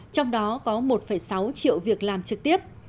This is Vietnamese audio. trong đó có một sáu triệu việc làm trực tiếp